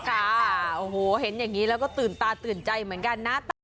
ค่ะโอ้โหเห็นอย่างนี้แล้วก็ตื่นตาตื่นใจเหมือนกันนะ